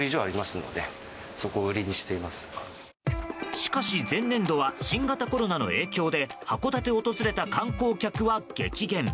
しかし、前年度は新型コロナの影響で函館を訪れた観光客は激減。